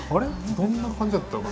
どんな感じやったかな？